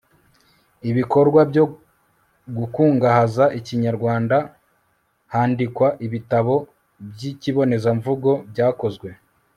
ibikorwa byo gukungahaza ikinyarwanda handikwa ibitabo by'ikibonezamvugo byakozwe